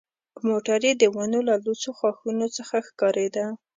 موټر یې د ونو له لوڅو ښاخونو څخه ښکارېده.